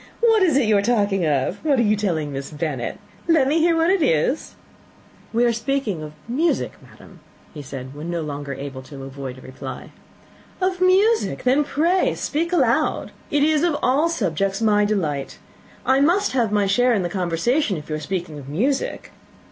What is it you are talking of? What are you telling Miss Bennet? Let me hear what it is." "We were talking of music, madam," said he, when no longer able to avoid a reply. "Of music! Then pray speak aloud. It is of all subjects my delight. I must have my share in the conversation, if you are speaking of music.